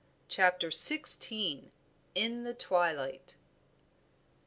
CHAPTER XVI. IN THE TWILIGHT.